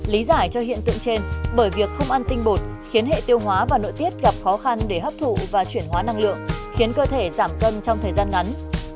lý giải cho hiện tượng trên bởi việc không ăn tinh bột khiến hệ tiêu hóa và nội tiết gặp khó khăn để hấp thụ và chuyển hóa năng lượng khiến cơ thể giảm cân trong thời gian ngắn